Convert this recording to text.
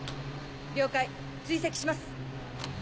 了解追跡します！